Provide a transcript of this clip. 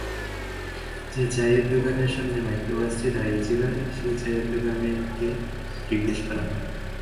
যে-চায়ের দোকানোর সামনে মাইক্রোবাসটি দাঁড়িয়ে ছিল, সেই চায়ের দোকানিকে জিজ্ঞেস করা হল।